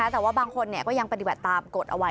แต่ว่าบางคนก็ยังปฏิบัติตามกฎเอาไว้